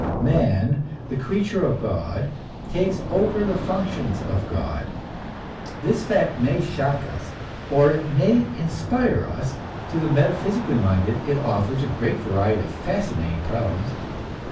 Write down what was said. Man, the creature of God, takes over the functions of God. This fact may shock us, or it may inspire us; to the metaphysically minded it offers a great variety of fascinating problems.